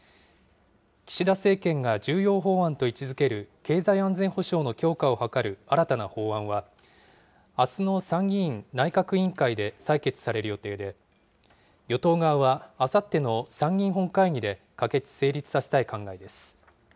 岸田政権が重要法案と位置づける経済安全保障の強化を図る新たな法案は、あすの参議院内閣委員会で採決される予定で、与党側は、あさっての参議院本会議で可決・成立させたい考えです。